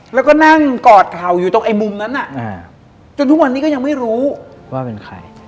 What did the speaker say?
แล้วก็นั่งกอดเข่าอยู่ตรงไอ้มุมนั้นจนทุกวันนี้ก็ยังไม่รู้ว่าเป็นใคร